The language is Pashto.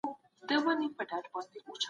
هغه سرچينې چي په ځمکه کي دي، بايد راوايستل سي.